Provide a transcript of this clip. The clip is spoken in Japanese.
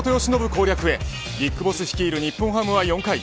攻略へＢＩＧＢＯＳＳ率いる日本ハムは４回。